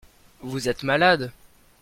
Vous êtes malades.